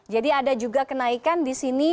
jadi ada juga kenaikan disini